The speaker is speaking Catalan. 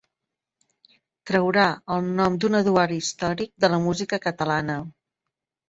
Traurà el nom d'un Eduard històric de la música catalana.